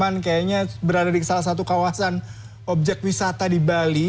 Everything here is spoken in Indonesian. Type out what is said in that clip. teman teman kayaknya berada di salah satu kawasan objek wisata di bali